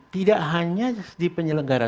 tidak hanya di penyelenggara